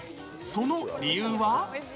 その理由は。